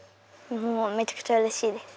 もうめちゃくちゃうれしいです。